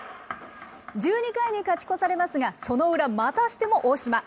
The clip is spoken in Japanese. １２回に勝ち越されますが、その裏、またしても大島。